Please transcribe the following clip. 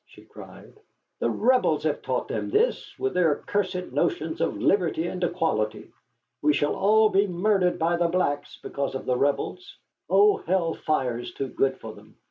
she cried. "The Rebels have taught them this, with their accursed notions of liberty and equality. We shall all be murdered by the blacks because of the Rebels. Oh, hell fire is too good for them.